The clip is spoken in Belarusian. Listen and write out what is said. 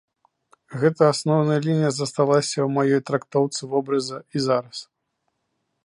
Гэта асноўная лінія засталася ў маёй трактоўцы вобраза і зараз.